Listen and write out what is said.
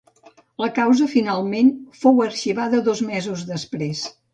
La causa finalment fou arxivada dos mesos després.